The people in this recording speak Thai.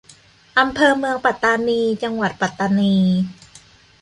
อำเภอเมืองปัตตานี จังหวัดปัตตานี